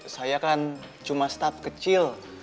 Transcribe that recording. saya kan cuma staf kecil